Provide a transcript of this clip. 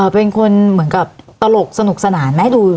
เป็นคนเหมือนกับตลกสนุกสนานไหมดู